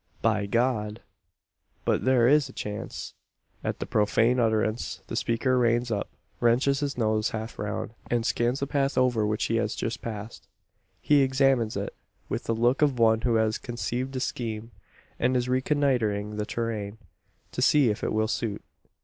"By God! but there is a chance!" At the profane utterance, the speaker reins up; wrenches his horse half round; and scans the path over which he has just passed. He examines it with the look of one who has conceived a scheme, and is reconnoitring the terrain, to see if it will suit.